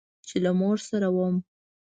چې له مور سره وم.